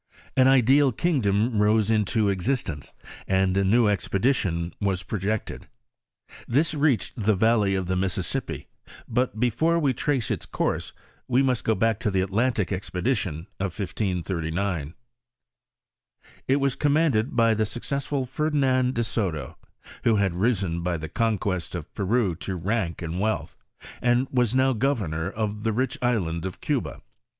An ideal kingdom rose into existence, and a new expedition was projected. This reached the valley of the Mississippi ; but before we trace its course, we must go back to the Atlantic expedition of 1539.* It was commanded by the successful Ferdinand de Soto, who had risen by the conquest of Peru to rank and wealth, and was now governor of the rich island of Cuba.